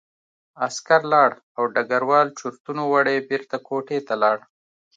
عسکر لاړ او ډګروال چورتونو وړی بېرته کوټې ته لاړ